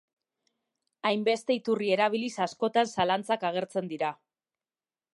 Hainbeste iturri erabiliz askotan zalantzak agertzen dira.